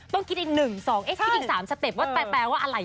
ต้องกินอีก๑๒๓สเต็ปว่าแปลว่าอะไรวะเนี่ย